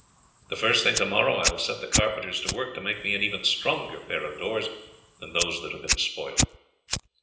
The first thing tomorrow I will set the carpenters to work to make me an even stronger pair of doors than those that have been spoilt."